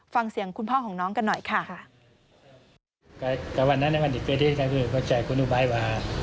ฟังเสียงคุณพ่อของน้องกันหน่อยค่ะ